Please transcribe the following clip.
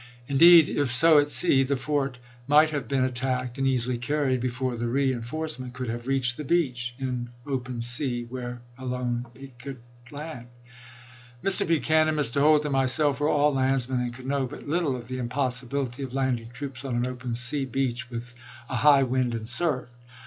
Indeed, if so 'vlutobioe at sea> tae ^ork m^bt have been attacked and easily carried raphy,"3 before the reenforcement could have reached the beach ° 625." P' (in open sea), where alone it could land. Mr. Buchanan, Mr. Holt, and myself were all landsmen and could know but little of the impossibility of landing troops on an open sea beach with a high wind and surf.